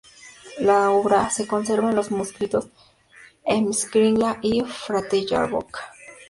La obra se conserva en los manuscritos "Heimskringla" y "Flateyjarbók".